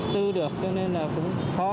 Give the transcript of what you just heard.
tư được cho nên là cũng khó